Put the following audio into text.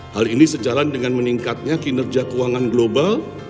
hal ini sejalan dengan meningkatnya kinerja keuangan global